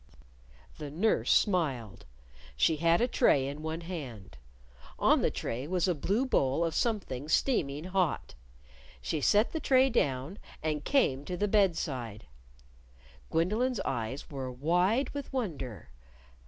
The nurse smiled. She had a tray in one hand. On the tray was a blue bowl of something steaming hot. She set the tray down and came to the bed side. Gwendolyn's eyes were wide with wonder.